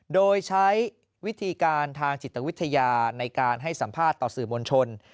โดยใช้วิธีการทางจิตวิทยาในการให้สัมภาษณ์ต่อสื่อมวลชน